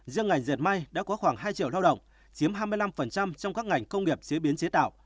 riêng ngành diệt may đã có khoảng hai triệu lao động chiếm hai mươi năm trong các ngành công nghiệp chế biến chế tạo